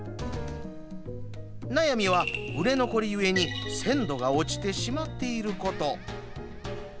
悩みは、売れ残り故に鮮度が落ちてしまっていること。